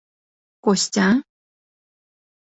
Костя?..